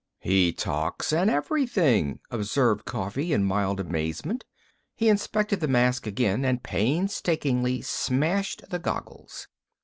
"He talks an' everything," observed Coffee in mild amazement. He inspected the mask again and painstakingly smashed the goggles.